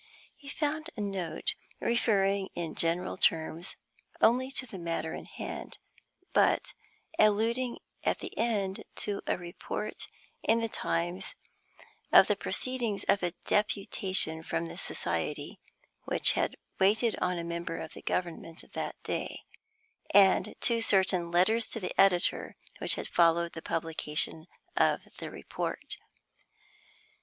He found a note referring in general terms only to the matter in hand, but alluding at the end to a report in the Times of the proceedings of a deputation from the society which had waited on a member of the government of that day, and to certain letters to the editor which had followed the publication of the report.